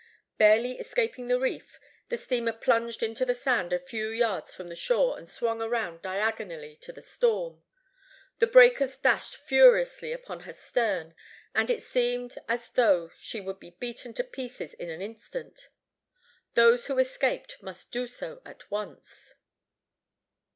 Barely escaping the reef, the steamer plunged into the sand a few yards from the shore, and swung around diagonally to the storm. The breakers dashed furiously upon her stern, and it seemed as though she would be beaten to pieces in an instant. Those who escaped must do so at once.